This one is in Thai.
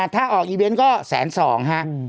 ถ้าออกอีเวนต์ก็๑๐๒๐๐๐บาทฮะ